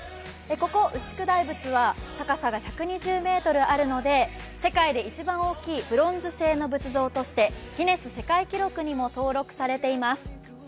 ここ牛久大仏は高さが１２０ｍあるので世界で一番大きいブロンズ製の仏像としてギネス世界記録にも登録されています。